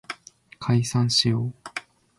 解散しよう